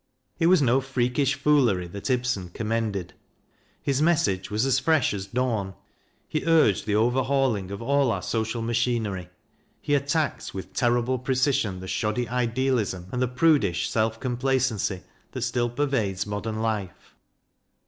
It was no freakish foolery that Ibsen commended; his message was as fresh as dawn. He urged the overhauling of all our social machinery; he attacked with terrible precision the shoddy idealism and the prudish self complacency that still pervades modern life.